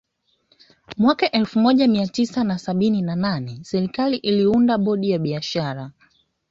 Mwaka elfu moja mia tisa na sabini na nane serikali iliunda bodi ya biashara